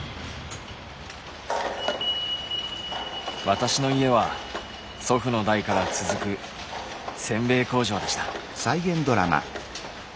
私の家は祖父の代から続くせんべい工場でした。